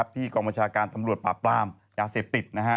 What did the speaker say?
ที่กองประชาการตำรวจปาปลามยาเสพติด